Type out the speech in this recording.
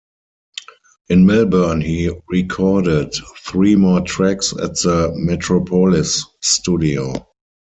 In Melbourne he recorded three more tracks at the Metropolis Studio.